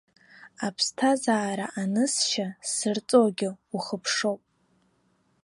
Аԥсҭазаара анысшьа сзырҵогьы ухыԥшоуп!